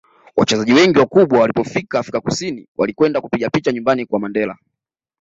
wachezaji wengi wakubwa walipofika afrika kusini walikwenda kupiga picha nyumbani kwa mandela